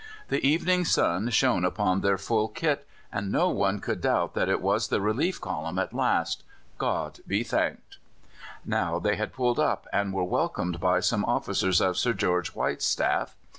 The evening sun shone upon their full kit, and no one could doubt that it was the relief column at last! God be thanked! Now they had pulled up, and were welcomed by some officers of Sir George White's staff.